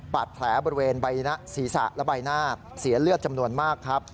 ปัดแผลบริเวณสีสะและใบหน้าเสียเลือดจำนวนมากครับ